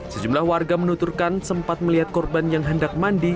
sejumlah warga menuturkan sempat melihat korban yang hendak mandi